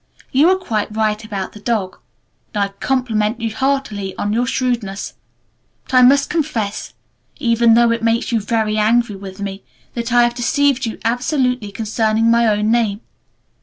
"You are quite right about the dog. And I compliment you heartily on your shrewdness. But I must confess, even though it makes you very angry with me, that I have deceived you absolutely concerning my own name.